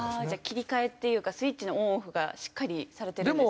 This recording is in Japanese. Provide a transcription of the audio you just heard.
切り替えっていうかスイッチのオンオフがしっかりされてるんですね。